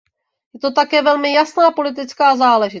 Je to také velmi jasná politická záležitost.